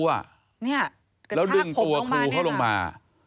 แล้วดึงตัวครูเขาลงมา